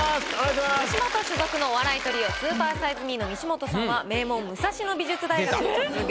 「吉本」所属のお笑いトリオスーパーサイズ・ミーの西本さんは名門武蔵野美術大学を卒業。